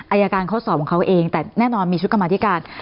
อายการเขาสอบของเขาเองแต่แน่นอนมีชุดกรรมธิการ